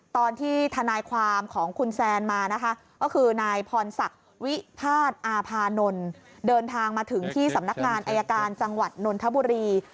ตอนที่ทนายความของคุณแซนมานะคะก็คือนายพรศักดิ์วิพาทอาพานนท์เดินทางมาถึงที่สำนักงานอายการจังหวัดนนทบุรี